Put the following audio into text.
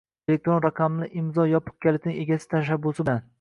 Elektron raqamli imzo yopiq kalitining egasi tashabbusi bilan